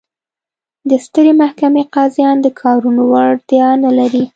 د سترې محکمې قاضیان د کارونو وړتیا نه لري.